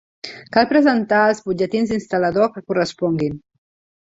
Cal presentar els butlletins d'instal·lador que corresponguin.